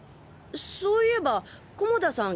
そういえば菰田さん